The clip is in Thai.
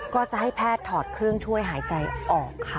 ก็จะให้แพทย์ถอดเครื่องช่วยหายใจออกค่ะ